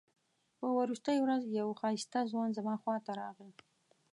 په وروستۍ ورځ یو ښایسته ځوان زما خواته راغی.